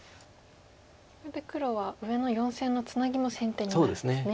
これで黒は上の４線のツナギも先手になるんですね。